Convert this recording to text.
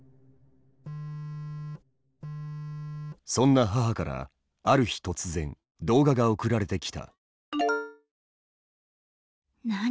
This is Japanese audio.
そんな母からある日突然動画が送られてきた。